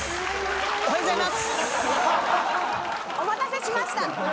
おはようございます！